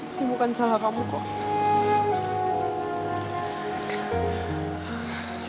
ini bukan salah kamu kok